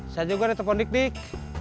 saya juga di telepon dik